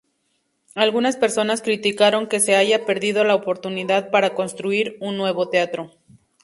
Algunas personas criticaron que se haya perdido la oportunidad para construir un nuevo teatro.